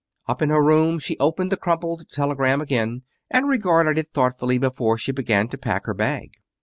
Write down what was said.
Up in her room she opened the crumpled telegram again, and regarded it thoughtfully before she began to pack her bag.